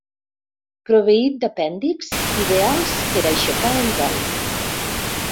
Proveït d'apèndixs ideals per aixecar el vol.